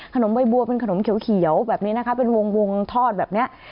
ขนมใบบัวเป็นขนมเขียวเขียวแบบนี้นะคะเป็นวงวงทอดแบบเนี้ย